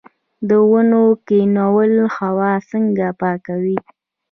د ونو کینول هوا څنګه پاکوي؟